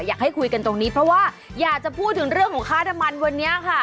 อยากให้คุยกันตรงนี้เพราะว่าอยากจะพูดถึงเรื่องของค่าน้ำมันวันนี้ค่ะ